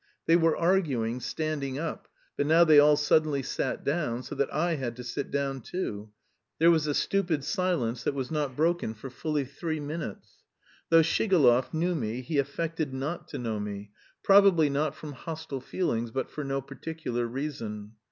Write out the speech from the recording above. They were arguing, standing up, but now they all suddenly sat down, so that I had to sit down too. There was a stupid silence that was not broken for fully three minutes. Though Shigalov knew me, he affected not to know me, probably not from hostile feelings, but for no particular reason.